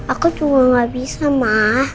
aku juga gak bisa ma